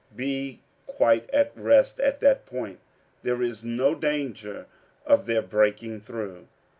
"Be quite at rest on that point; there is no danger of their breaking through.